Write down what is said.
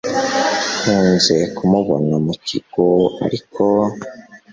nkunze kumubona mukigo ariko